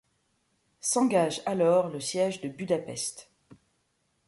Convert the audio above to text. S'engage alors le siège de Budapest.